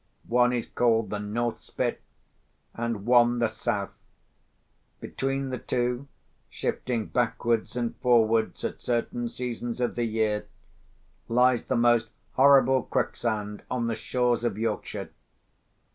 One is called the North Spit, and one the South. Between the two, shifting backwards and forwards at certain seasons of the year, lies the most horrible quicksand on the shores of Yorkshire.